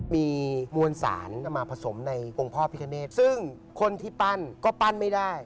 มีมวลสารมาผสมในองค์พ่อพิคเนตซึ่งคนที่ปั้นก็ปั้นไม่ได้